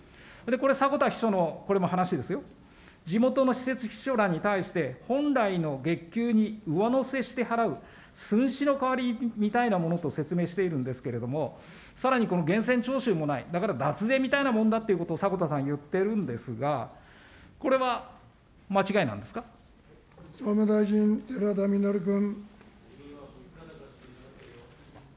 これ、迫田秘書の、これも話ですよ、地元の私設秘書らに対して、本来の月給に上乗せして払う寸志の代わりみたいなものと説明しているんですけれども、さらに、この源泉徴収もない、だから脱税みたいなものだと迫田さん、言ってるんですが、これは間違いなんで総務大臣、寺田稔君。